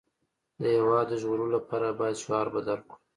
د هېواد د ژغورلو لپاره باید شعار بدل کړو